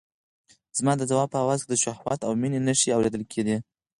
زما د ځواب په آواز کې د شهوت او مينې نښې اورېدل کېدې.